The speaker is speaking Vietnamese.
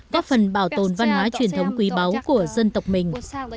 góp phần bảo tồn văn hóa truyền thống quý báu của dân tộc mình